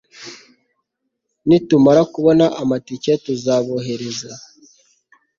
nitumara kubona amatike, tuzabohereza